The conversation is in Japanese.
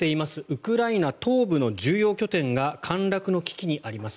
ウクライナ東部の重要拠点が陥落の危機にあります。